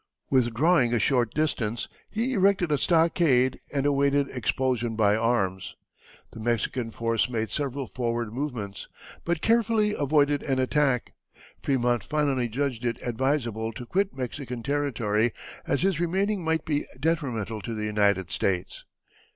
Withdrawing a short distance he erected a stockade and awaited expulsion by arms. The Mexican force made several forward movements, but carefully avoided an attack. Frémont finally judged it advisable to quit Mexican territory, as his remaining might be detrimental to the United States.